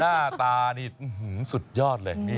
หน้าตานี่สุดยอดเลย